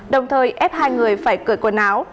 đồng thời ép hai người phải cởi quần áo